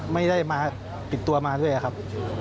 ไม่ได้มาปิดตัวมาด้วยครับ